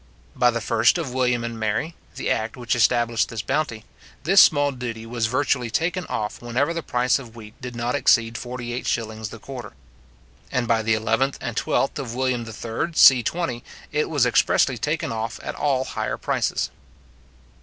By the 1st of William and Mary, the act which established this bounty, this small duty was virtually taken off whenever the price of wheat did not exceed 48s. the quarter; and by the 11th and 12th of William III. c. 20, it was expressly taken off at all higher prices.